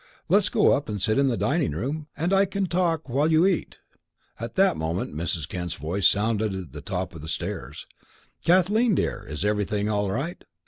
"Let's go up and sit in the dining room, and I can talk while you eat." At that moment Mrs. Kent's voice sounded at the top of the stairs. "Kathleen, dear, is everything all right?"